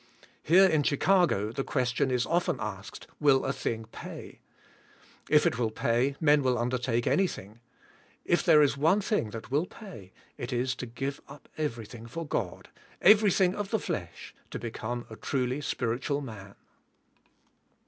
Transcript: Here in Chi cago the question is of ten asked, "Will a thing pay?" If it will pay men will undertake anything. If there is one thing that will pay it is to give up everything for God — everything of the flesh — to become a truly spiritual man.